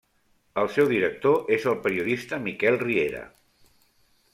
El seu director és el periodista Miquel Riera.